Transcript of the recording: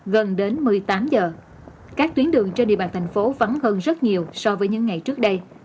gần đến một mươi tám h các tuyến đường trên địa bàn tp vắng hơn rất nhiều so với những ngày trước đây